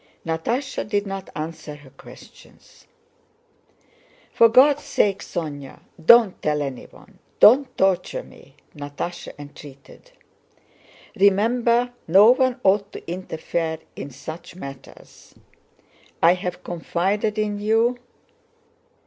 Natásha did not answer her questions. "For God's sake, Sónya, don't tell anyone, don't torture me," Natásha entreated. "Remember no one ought to interfere in such matters! I have confided in you...."